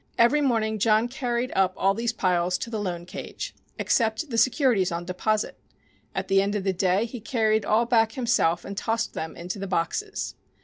Every morning John carried up all these piles to the loan cage except the securities on deposit. At the end of the day he carried all back himself and tossed them into the boxes.